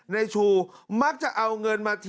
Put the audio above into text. นายชูมักจะเอาเงินมา